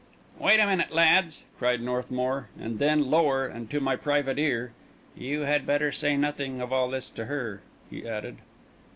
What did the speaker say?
"Wait a minute, lads!" cried Northmour; and then lower and to my private ear: "You had better say nothing of all this to her," he added.